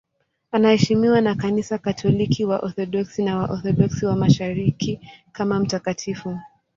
Anaheshimiwa na Kanisa Katoliki, Waorthodoksi na Waorthodoksi wa Mashariki kama mtakatifu.